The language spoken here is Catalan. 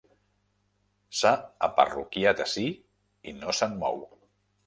S'ha aparroquiat ací i no se'n mou.